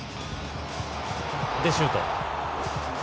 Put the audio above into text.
シュート。